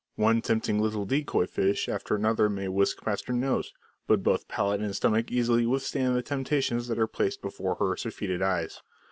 One tempting little decoy fish after another may whisk past her nose, but both palate and stomach easily withstand the temptations that are placed before her surfeited eyes.